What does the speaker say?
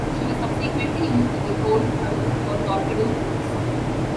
She was subsequently used as a coal hulk for torpedo boats.